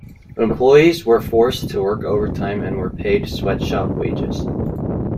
Employees were forced to work overtime and were paid sweatshop wages.